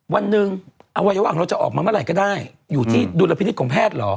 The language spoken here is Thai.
วันหนึ่งอวัยวะของเราจะออกมาเมื่อไหร่ก็ได้อยู่ที่ดุลพินิษฐของแพทย์เหรอ